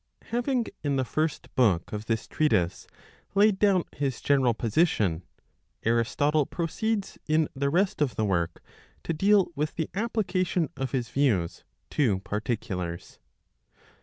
Having in the first book of this treatise laid down his general position, Aristotle proceeds in the rest of the work to deal with the application of his views to particulars.